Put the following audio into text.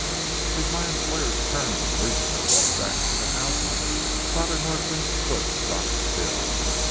As my employer turned and leisurely walked back to the house, Father Norquin stood stock still.